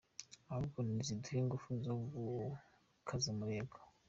Ahubwo niziduhe ingufu zo gukaza umurego.